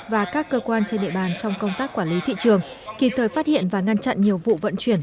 và các cơ quan trên địa bàn trong công tác quản lý thị trường kịp thời phát hiện và ngăn chặn nhiều vụ vận chuyển